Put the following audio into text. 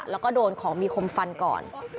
แล้วก็โดนของมีคมฟันก่อน